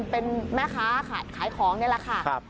เป็นแม่ค้าขายของนี่แหละค่ะ